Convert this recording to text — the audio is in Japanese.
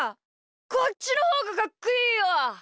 こっちのほうがかっこいいよ。